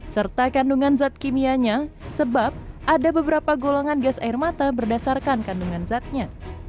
serta kandungan zat kimianya sebab ada beberapa golongan gas air mata berdasarkan kandungan zatnya